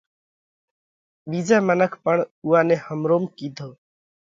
ٻيزئہ منک پڻ اُوئا نئہ همروم ڪِيڌو۔